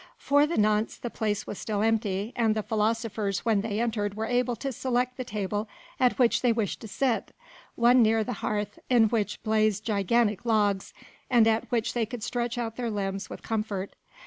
For the nonce the place was still empty and the philosophers when they entered were able to select the table at which they wished to sit one near the hearth in which blazed gigantic logs, and at which they could stretch out their limbs with comfort.